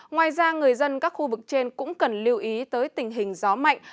ngoài ra người dân các khu vực trên cũng cần lưu ý tới tình hình gió mạnh